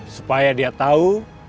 supaya dia tahu